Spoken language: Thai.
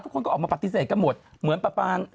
ทุกคนก็ออกมาปฏิเสธกันหมดเหมือนป๊าปาง